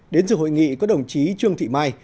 đến dự hội nghị có đồng chí trương thị mai